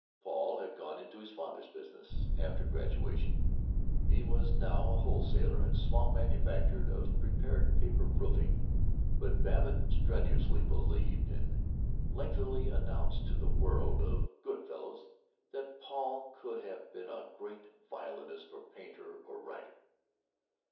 Paul had gone into his father's business, after graduation; he was now a wholesaler and small manufacturer of prepared paper roofing. But Babbitt strenuously believed and lengthily announced to the world of Good Fellows that Paul could have been a great violinist or painter or writer.